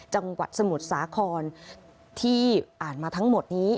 จังหวัดสมุทรสาครที่อ่านมาทั้งหมดนี้